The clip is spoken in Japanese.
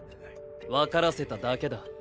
わからせただけだ。